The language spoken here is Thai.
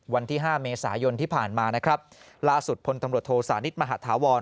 วันที่ห้าเมษายนที่ผ่านมานะครับล่าสุดพลตำรวจโทสานิทมหาธาวร